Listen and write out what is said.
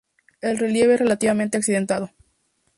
El relieve es relativamente accidentado.